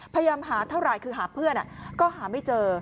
พยายามหาเท่าไหร่คือหาเพื่อนก็หาไม่เจอ